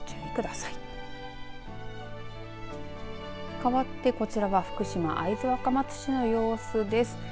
かわってこちらは福島会津若松市の様子です。